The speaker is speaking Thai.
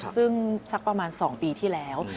ซึ่งสักประมาณ๒ปีที่แล้ว